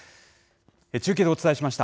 中継でお伝えしました。